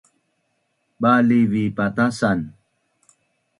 Baliv’vi patasan